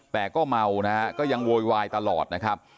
แต่ก็เมานะฮะก็ยังโวยวายตลอดนะครับ